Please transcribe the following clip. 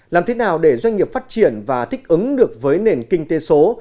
làm thế nào để doanh nghiệp phát triển và thích ứng được với nền kinh tế số